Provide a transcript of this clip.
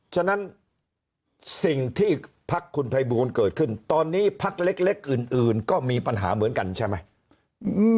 ฉะนั้นสิ่งที่พักคุณภัยบูลเกิดขึ้นตอนนี้พักเล็กอื่นก็มีปัญหาเหมือนกันใช่ไหม